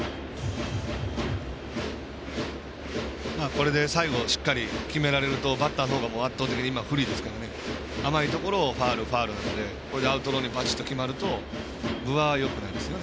これで最後しっかり決められるとバッターの方が圧倒的に不利ですから甘いところをファウルファウルなのでアウトローに決まると分はよくないですね